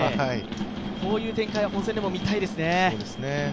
こういう展開は本戦でも見たいですね。